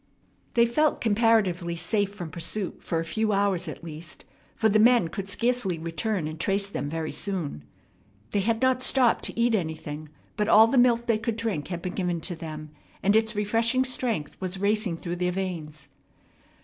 They felt comparatively safe from pursuit for a few hours at least, for the men could scarcely return and trace them very soon. They had not stopped to eat anything; but all the milk they could drink had been given to them, and its refreshing strength was racing through their veins.